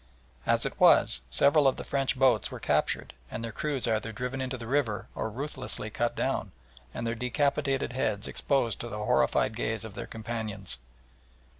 As it was, several of the French boats were captured, and their crews either driven into the river or ruthlessly cut down, and their decapitated heads exposed to the horrified gaze of their companions.